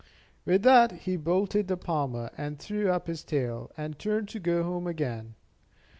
With that he bolted the palmer, and threw up his tail, and turned to go home again.